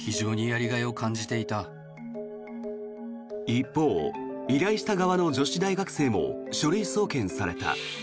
一方、依頼した側の女子大学生も書類送検された。